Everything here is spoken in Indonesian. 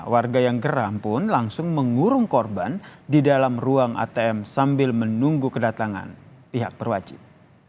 warga yang geram pun langsung mengurung korban di dalam ruang atm sambil menunggu kedatangan pihak perwajib